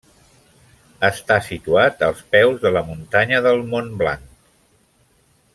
Està situat als peus de la muntanya del Mont Blanc.